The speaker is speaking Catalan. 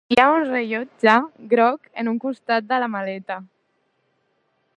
Hi ha un rellotge groc en un costat de la maleta.